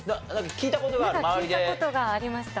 聞いた事がありました。